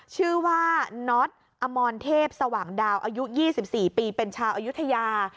ชื่อว่าน็อตอมรเทพสว่างดาวอายุ๒๔ปีเป็นชาวอายุทยา